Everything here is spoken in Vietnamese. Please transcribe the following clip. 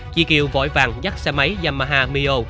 chi kiều vội vàng dắt xe máy yamaha mio